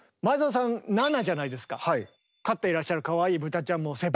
でも飼っていらっしゃるかわいい豚ちゃんも「セブン」。